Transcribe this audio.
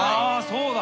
そうだ。